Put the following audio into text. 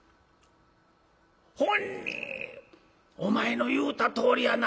ほんにお前の言うたとおりやな。